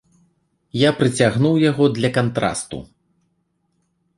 Я прыцягнуў яго для кантрасту.